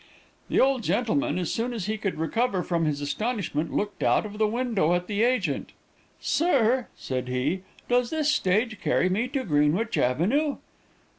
"The old gentleman, as soon as he could recover from his astonishment, looked out of the window at the agent. "'Sir,' said he, 'does this stage carry me to Greenwich Avenue?'